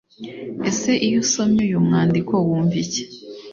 ese iyo usomye uyu mwandiko wumva iki